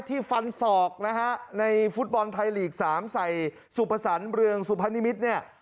ฟันศอกนะฮะในฟุตบอลไทยลีก๓ใส่สุภสรรค์เรืองสุพนิมิตรเนี่ย